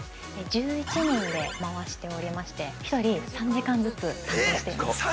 ◆１１人で回しておりまして、１人３時間ずつ担当しています。